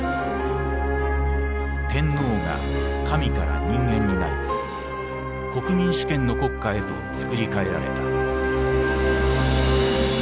天皇が「神」から「人間」になり国民主権の国家へとつくり替えられた。